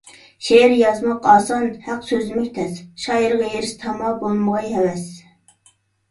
شېئىر يازماق ئاسان، ھەق سۆزلىمەك تەس، شائىرغا ھېرىس تاما بولمىغاي ھەۋەس.